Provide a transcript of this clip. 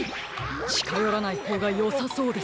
ちかよらないほうがよさそうです。